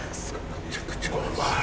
めちゃくちゃ美味しい。